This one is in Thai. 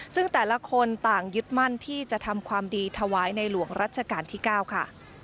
ซึ่งแต่ละคนต่างยึดมั่นที่จะทำความดีถวายในหลวงรัชกาลที่๙ค่ะ